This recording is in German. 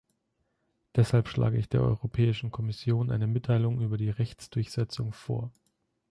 Deshalb schlage ich der Europäischen Kommission eine Mitteilung über die Rechtsdurchsetzung vor.